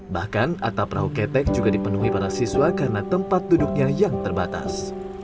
bahkan atap perahu ketek juga dipenuhi para siswa karena tempat duduknya yang terbatas